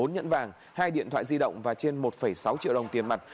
bốn nhẫn vàng hai điện thoại di động và trên một sáu triệu đồng tiền mặt